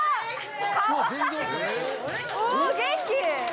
お元気！